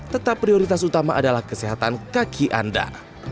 tetap prioritas utama adalah kesehatan kaki anda